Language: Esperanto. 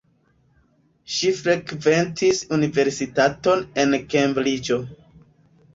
Ŝi frekventis universitaton en Kembriĝo.